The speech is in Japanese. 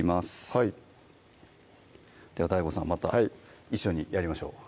はいではＤＡＩＧＯさんまた一緒にやりましょう